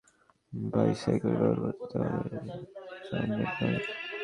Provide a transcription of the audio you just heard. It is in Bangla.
জাপানের মতো ঢাকায় যদি সবাই বাইসাইকেল ব্যবহার করত, তাহলে যানজট কমে যেত।